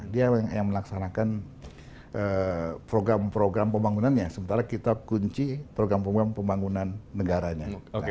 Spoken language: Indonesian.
dia yang melaksanakan program program pembangunannya sementara kita kunci program pembangunan negaranya